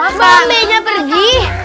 mau mbe nya pergi